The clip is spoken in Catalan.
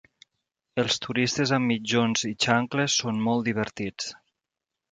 Els turistes amb mitjons i xancles són molt divertits.